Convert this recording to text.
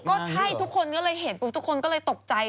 ก็ใช่ทุกคนก็เลยเห็นทุกคนก็เลยตกใจ